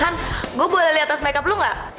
han gue boleh liat tas makeup lo gak